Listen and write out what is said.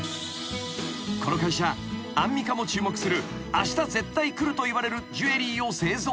［この会社アンミカも注目するあした絶対来るといわれるジュエリーを製造している］